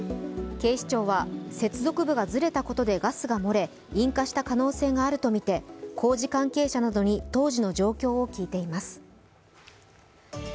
警視庁は接続部がずれたことでガスが漏れ引火した可能性があるとみて工事関係者などに当時の状況を聞いています。